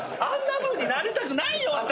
あんなふうになりたくないよ